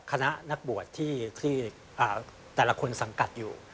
คณะนักบวชที่แต่ละคนสังกัดอยู่